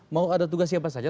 mau ada tugas siapa saja